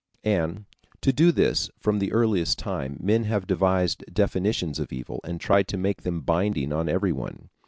And to do this from the earliest time men have devised definitions of evil and tried to make them binding on everyone.